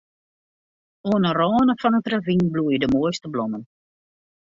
Oan 'e râne fan it ravyn bloeie de moaiste blommen.